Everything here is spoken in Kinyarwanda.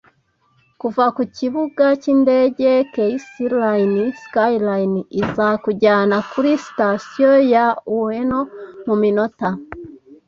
Kuva kukibuga cyindege, Keisei Line Sky-Liner izakujyana kuri Sitasiyo ya Ueno muminota